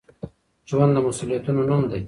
ژوند د مسؤليتونو نوم دی.